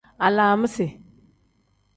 Alaamisi.